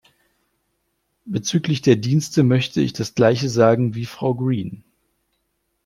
Bezüglich der Dienste möchte ich das gleiche sagen wie Frau Green.